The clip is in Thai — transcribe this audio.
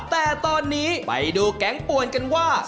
แต่ตอนนี้ไปดูแก๊งป่วนกันว่า